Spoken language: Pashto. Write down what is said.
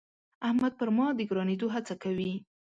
احمد پر ما د ګرانېدو هڅه کوي.